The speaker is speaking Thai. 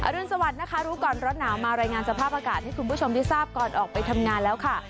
รุนสวัสดิ์นะคะรู้ก่อนร้อนหนาวมารายงานสภาพอากาศให้คุณผู้ชมได้ทราบก่อนออกไปทำงานแล้วค่ะ